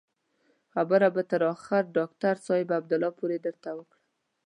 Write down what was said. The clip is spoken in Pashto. خبره به تر ډاکتر صاحب عبدالله پورې درته وکړم.